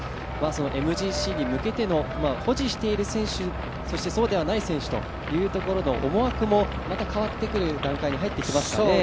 ＭＧＣに向けての、保持している選手、そしてそうではない選手との思惑もまた変わってくる段階に入ってきましたね。